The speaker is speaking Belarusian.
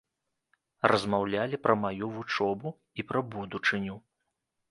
Размаўлялі пра маю вучобу і пра будучыню.